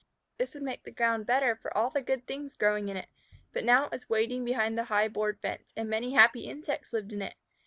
This would make the ground better for all the good things growing in it, but now it was waiting behind the high board fence, and many happy insects lived in it.